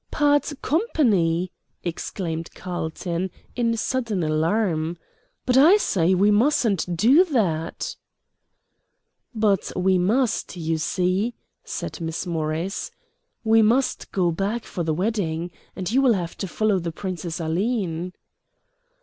"Part company!" exclaimed Carlton, in sudden alarm. "But, I say, we mustn't do that." "But we must, you see," said Miss Morris. "We must go back for the wedding, and you will have to follow the Princess Aline."